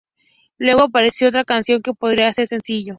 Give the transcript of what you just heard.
Luego apareció otra canción que podría ser sencillo.